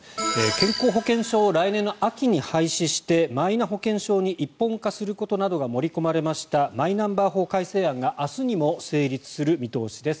健康保険証を来年の秋に廃止してマイナ保険証に一本化することなどが盛り込まれましたマイナンバー法改正案が明日にも成立する見通しです。